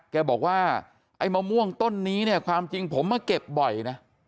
แกบอกว่าไอ้มะม่วงต้นนี้เนี่ยความจริงผมมาเก็บบ่อยนะ